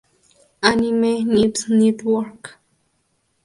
Anime News Network.